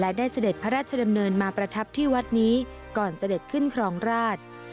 ได้เสด็จพระราชดำเนินมาประทับที่วัดนี้ก่อนเสด็จขึ้นครองราช